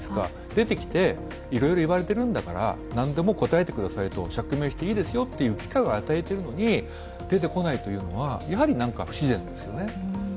出てきて、いろいろいわれているんだから何でも答えてください、釈明していいですよと機会を与えているのに出てこないというのはやはり不自然ですよね。